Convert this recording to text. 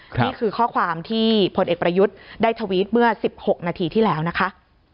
นี่คือข้อความที่พลเอกประยุทธ์ได้ทวิตเมื่อ๑๖นาทีที่แล้วนะคะ